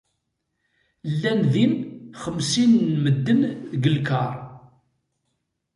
Llan din xemsin n medden deg lkar.